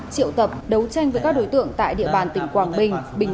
triệu tập đấu tranh với các đối tượng tại địa bàn tỉnh quảng bình